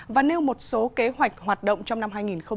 và nêu một số kế hoạch hoạt động trong năm hai nghìn hai mươi